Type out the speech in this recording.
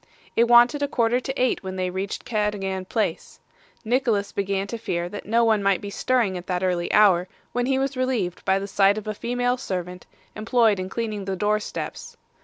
It wanted a quarter to eight when they reached Cadogan Place. Nicholas began to fear that no one might be stirring at that early hour, when he was relieved by the sight of a female servant, employed in cleaning the door steps.